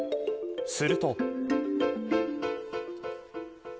すると。